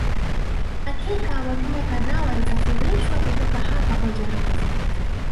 Hakika watumwa kadhaa walisafirishwa kutoka hapa kwa jahazi